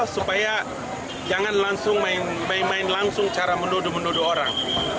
supaya jangan langsung main main langsung cara menuduh menuduh orang